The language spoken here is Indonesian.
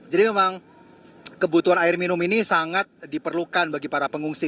jadi memang kebutuhan air minum ini sangat diperlukan bagi para pengungsi